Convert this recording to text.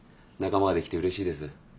仲間ができてうれしいです。